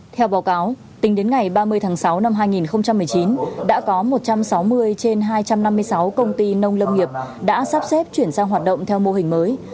theo báo cáo tính đến ngày ba mươi tháng sáu năm hai nghìn một mươi chín đã có một trăm sáu mươi trên hai trăm năm mươi sáu công ty nông lâm nghiệp đã sắp xếp chuyển sang hoạt động theo mô hình mới